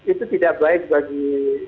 itu tidak baik bagi